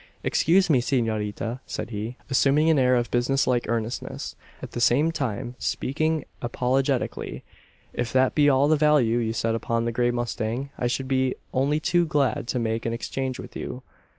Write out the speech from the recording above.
"Excuse me, senorita," said he, assuming an air of businesslike earnestness, at the same time speaking apologetically; "if that be all the value you set upon the grey mustang, I should be only too glad to make an exchange with you.